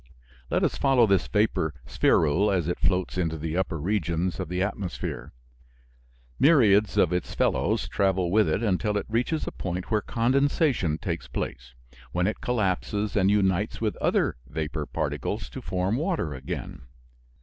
Let us follow this vapor spherule as it floats into the upper regions of the atmosphere. Myriads of its fellows travel with it until it reaches a point where condensation takes place, when it collapses and unites with other vapor particles to form water again.